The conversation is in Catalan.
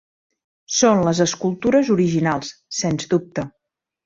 Són les escultures originals, sens dubte.